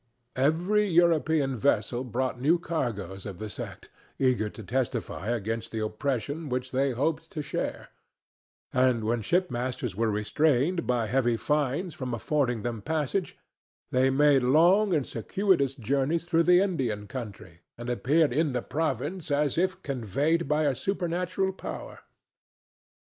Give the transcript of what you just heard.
Every European vessel brought new cargoes of the sect, eager to testify against the oppression which they hoped to share; and when shipmasters were restrained by heavy fines from affording them passage, they made long and circuitous journeys through the Indian country, and appeared in the province as if conveyed by a supernatural power.